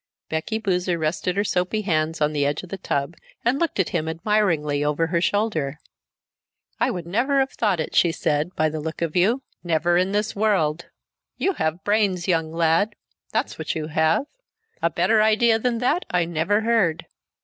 Becky Boozer rested her soapy hands on the edge of the tub and looked at him admiringly over her shoulder. "I would never have thought it," she said, "by the look of you. Never in this world. You have brains, young lad, that's what you have. A better idea than that I never heard!